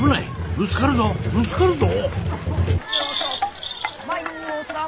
ぶつかるぞぶつかるぞ！